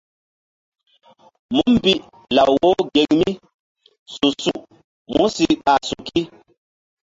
Múmbi law wo geŋ mi su-su músi ɓa suki.